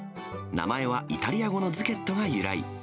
名前はイタリア語のズケットが由来。